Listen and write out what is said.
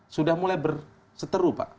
sudah mulai berseteru pak